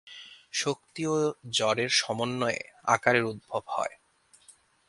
শক্তি ও জড়ের সমন্বয়ে আকারের উদ্ভব হয়।